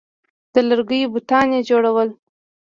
د لرګیو بتان یې جوړول